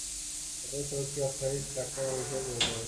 বর্তমানে সড়কটি অস্থায়ী ট্রাক টার্মিনাল হিসেবে পরিণত হয়েছে।